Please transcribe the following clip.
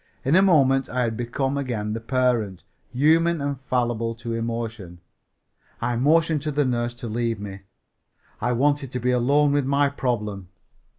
In a moment I had become again the parent, human and fallible to emotion. I motioned to the nurse to leave me. I wanted to be alone with my problem.